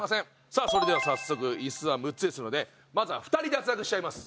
さあそれでは早速イスは６つですのでまずは２人脱落しちゃいます。